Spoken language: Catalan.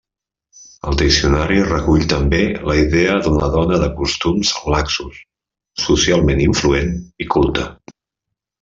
El diccionari recull també la idea d'una dona de costums laxos, socialment influent i culta.